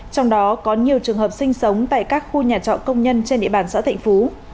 trong đó có nhiều trường hợp sinh sống tại các khu nhà trọ công nhân trên địa bàn xã thạnh phú